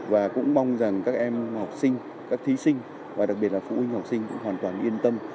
và cũng mong rằng các em học sinh các thí sinh và đặc biệt là phụ huynh học sinh cũng hoàn toàn yên tâm